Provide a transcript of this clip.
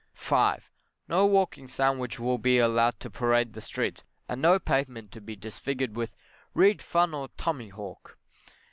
5. No walking sandwich will be allowed to parade the streets, and no pavement to be disfigured with, 'read Fun or Tommyhawk.